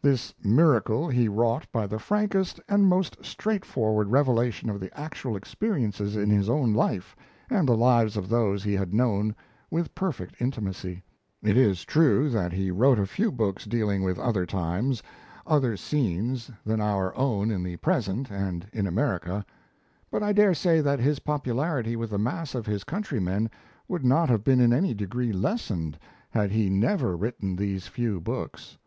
This miracle he wrought by the frankest and most straightforward revelation of the actual experiences in his own life and the lives of those he had known with perfect intimacy. It is true that he wrote a few books dealing with other times, other scenes, than our own in the present and in America. But I daresay that his popularity with the mass of his countrymen would not have been in any degree lessened had he never written these few books.